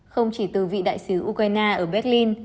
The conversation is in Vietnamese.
không chỉ từ vị đại sứ ukraine ở berlin